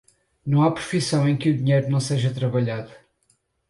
Não há profissão em que o dinheiro não seja trabalhado.